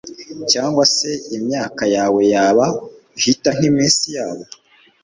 cyangwa se imyaka yawe yaba ihita nk'iminsi yabo